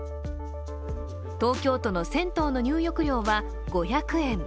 東京都の銭湯の入浴料は５００円。